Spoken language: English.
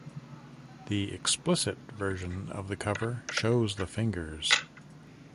The "explicit" version of the cover shows the fingers.